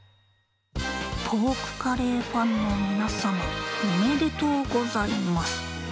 ポークカレーファンのみなさまおめでとうございます。